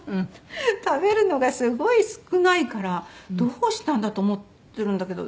「食べるのがすごい少ないからどうしたんだと思ってるんだけど大丈夫？」